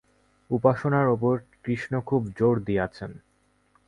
উপাসনার উপর কৃষ্ণ খুব জোর দিয়াছেন।